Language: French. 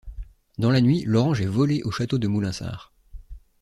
Dans la nuit, l'orange est volée au château de Moulinsart.